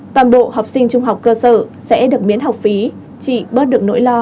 toàn bộ học sinh trung học cơ sở sẽ được miễn học phí chị bớt được nỗi lo